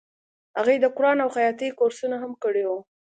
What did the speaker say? هغې د قرآن او خیاطۍ کورسونه هم کړي وو